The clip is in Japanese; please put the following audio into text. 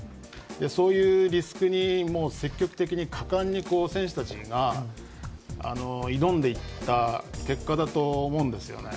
そういうリスクに積極的に果敢に選手たちが挑んでいった結果だと思うんです。